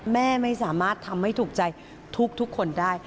แม่ไม่สามารถทำให้ถูกใจทุกคนได้